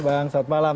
bang selamat malam